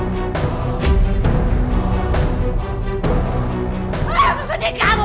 gak ada yang bisa tolong kamu sekarang